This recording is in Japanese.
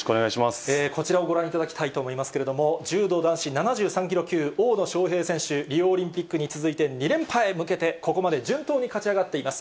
こちらをご覧いただきたいと思いますけれども、柔道男子７３キロ級、大野将平選手、リオオリンピックに続いて、２連覇へ向けて、ここまで順当に勝ち上がっています。